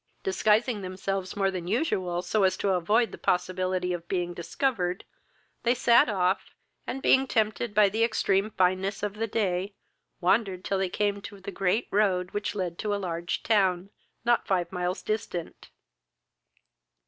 Disguising themselves more than usual, so as to avoid the possibility of being discovered, they sat off; and, being tempted by the extreme fineness of the day, wandered till they came to the great road which led to a large town, not five miles distant.